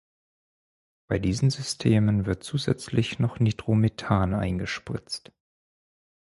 Bei diesen Systemen wird zusätzlich noch Nitromethan eingespritzt.